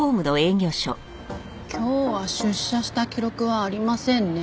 今日は出社した記録はありませんね。